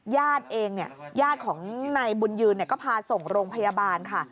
ญาติเองเนี่ยญาติของนายบุญยืนก็พาส่งโรงพยาบาลค่ะ